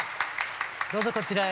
どうぞこちらへ。